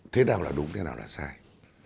thế nào là đúng thế nào là sai